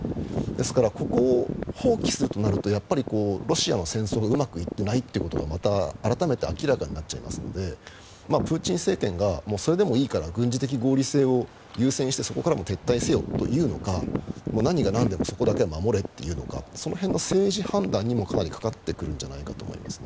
ですからここを放棄するとなるとやっぱりロシアの戦争がうまくいっていないということがまた改めて明らかになっちゃいますのでプーチン政権がそれでもいいから軍事的合理性を優先してそこからも撤退せよと言うのか何がなんでもそこだけは守れって言うのかその辺の政治判断にもかかってくるんじゃないかと思います。